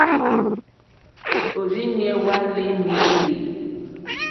Òrzìɲɛ́ hwá lê môlélí.